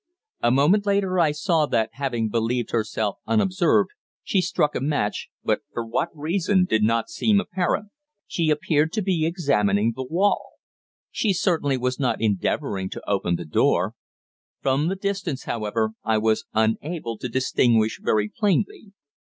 A moment later I saw that, having believed herself unobserved, she struck a match, but for what reason did not seem apparent. She appeared to be examining the wall. She certainly was not endeavouring to open the door. From the distance, however, I was unable to distinguish very plainly.